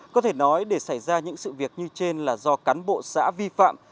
có thể nói để xảy ra những sự việc như trên là do cán bộ xã vi phạm